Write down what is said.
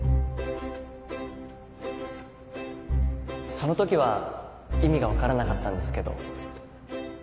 その時は意味が分からなかったんですけど。